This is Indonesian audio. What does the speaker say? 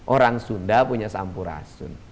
orang sunda punya sampurasun